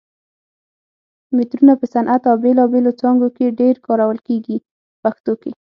مترونه په صنعت او بېلابېلو څانګو کې ډېر کارول کېږي په پښتو کې.